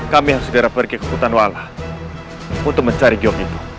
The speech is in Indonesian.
kami harus segera pergi ke hutan walah untuk mencari geok itu